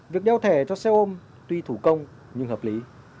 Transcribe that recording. việc đeo thẻ cho xe ôm tuy thủ công nhưng hợp lý